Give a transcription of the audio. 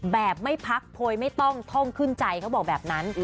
แบบไม่พักโพยไม่ต้องท่องขึ้นใจเขาบอกแบบนั้น